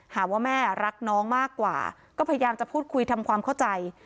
หาว่าแม่รักน้องมากกว่าก็พยายามจะพูดคุยทำความเข้าใจ